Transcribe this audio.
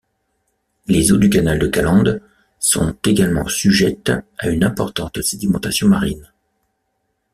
Les eaux du canal de Caland sont également sujettes à une importante sédimentation marine.